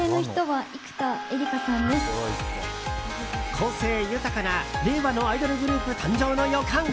個性豊かな令和のアイドルグループ誕生の予感。